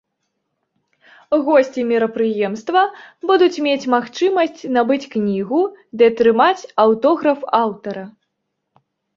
Госці мерапрыемства будуць мець магчымасць набыць кнігу ды атрымаць аўтограф аўтара.